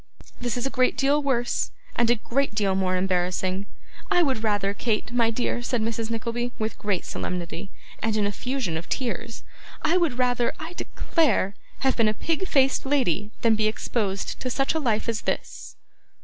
This is a great deal worse, and a great deal more embarrassing. I would rather, Kate, my dear,' said Mrs. Nickleby, with great solemnity, and an effusion of tears: 'I would rather, I declare, have been a pig faced lady, than be exposed to such a life as this!